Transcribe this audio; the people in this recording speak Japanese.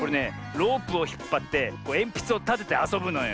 ロープをひっぱってえんぴつをたててあそぶのよ。